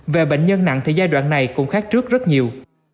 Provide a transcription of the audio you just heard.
về bệnh nhân nặng thì giai đoạn này cũng khác trước rất nhiều